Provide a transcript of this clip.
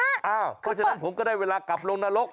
เพราะฉะนั้นผมก็ได้เวลากลับลงนรก